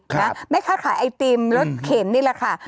ครับไม่ค่าไอติมรสเข็มนี่แหละค่ะ